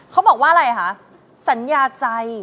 เขาบอกว่าอะไรคะสัญญาใจ